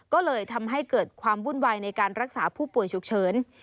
ก็เลยทำให้เกิดความวุ่นวายในการรักษาผู้ป่วยฉุกเฉิน